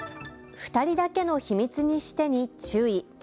２人だけの秘密にしてに注意。